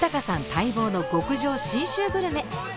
待望の極上信州グルメ！